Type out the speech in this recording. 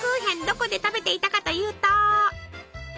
どこで食べていたかというと。